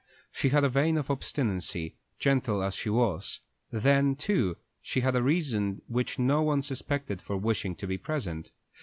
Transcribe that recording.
She had a vein of obstinacy, gentle as she was; then, too, she had a reason which no one suspected for wishing to be present.